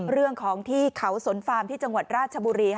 เรื่องของที่เขาสนฟาร์มที่จังหวัดราชบุรี